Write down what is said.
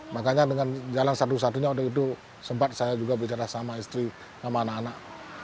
makanya dengan jalan satu satunya waktu itu sempat saya juga bicara sama istri sama anak anak